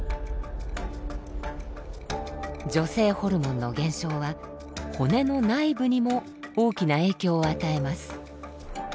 女性ホルモンの減少は骨の内部にも大きな影響を与えます。